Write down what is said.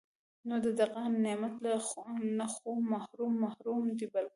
نو د دغه نعمت نه خو محروم محروم دی بلکي